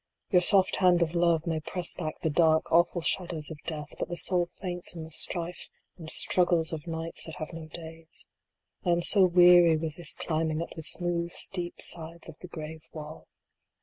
Your soft hand of Love may press back the dark, awful shadows of Death, but the soul faints in the strife and struggles of nights that have no days. I am so weary with this climbing up the smooth steep sides of the grave wall.